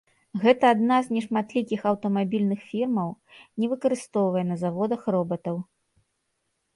Гэта адна з нешматлікіх аўтамабільных фірмаў, не выкарыстоўвае на заводах робатаў.